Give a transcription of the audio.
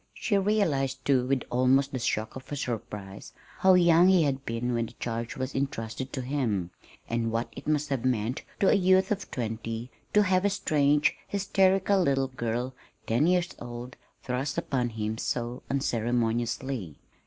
She realized, too, with almost the shock of a surprise, how young he had been when the charge was intrusted to him, and what it must have meant to a youth of twenty to have a strange, hysterical little girl ten years old thrust upon him so unceremoniously.